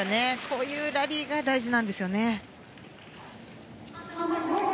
こういうラリーが大事なんですよね。